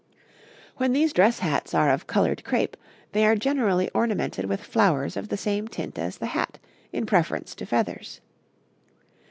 'When these dress hats are of coloured crape, they are generally ornamented with flowers of the same tint as the hat, in preference to feathers.